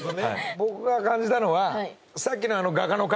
僕が感じたのはさっきの画家の彼。